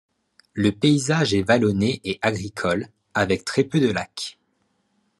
Le paysage est vallonné et agricole, avec très peu de lacs.